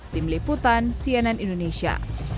tim liputan cnn indonesia